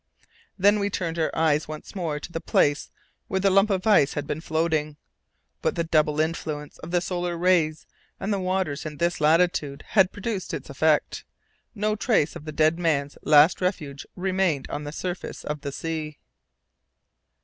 Then we turned our eyes once more to the place where the lump of ice had been floating; but the double influence of the solar rays and the waters in this latitude had produced its effect, no trace of the dead man's last refuge remained on the surface of the sea.